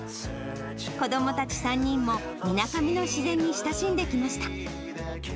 子どもたち３人もみなかみの自然に親しんできました。